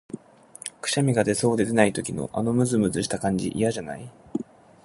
くしゃみが出そうで出ない時の、あのむずむずした感じ、嫌じゃない？